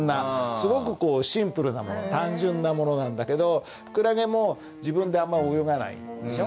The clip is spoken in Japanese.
すごくこうシンプルなもの単純なものなんだけどクラゲも自分であんま泳がないでしょ。